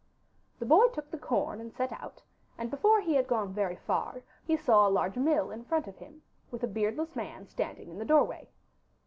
The boy took the corn and set out, and before he had gone very far he saw a large mill in front of him, with a beardless man standing in the doorway.